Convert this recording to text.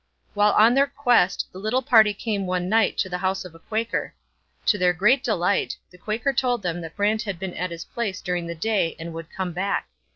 While on their quest the little party came one night to the house of a Quaker. To their great delight, the Quaker told them that Brant had been at his place during the day and would come back.